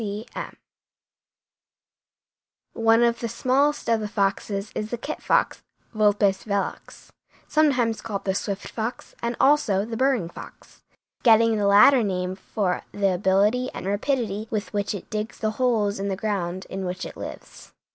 C. C. M. One of the smallest of the foxes is the kit fox (Vulpes velox), sometimes called the swift fox and also the burrowing fox, getting the latter name for the ability and rapidity with which it digs the holes in the ground in which it lives.